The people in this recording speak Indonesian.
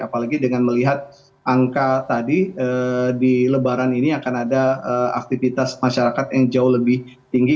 apalagi dengan melihat angka tadi di lebaran ini akan ada aktivitas masyarakat yang jauh lebih tinggi